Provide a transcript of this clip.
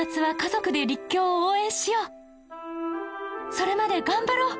それまで頑張ろう！